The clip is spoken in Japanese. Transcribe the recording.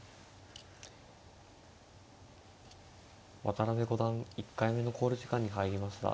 渡辺五段１回目の考慮時間に入りました。